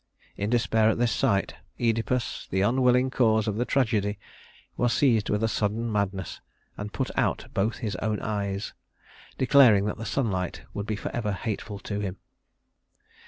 In despair at this sight Œdipus, the unwilling cause of the tragedy, was seized with a sudden madness and put out both his own eyes, declaring that the sunlight would be forever hateful to him.